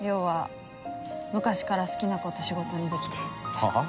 はあ？